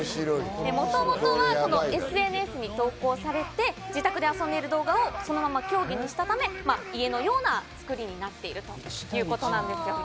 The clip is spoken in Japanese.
もともとはＳＮＳに投稿されて、自宅で遊んでいる動画をそのまま競技にしたため、家のようなつくりになっているということなんですよね。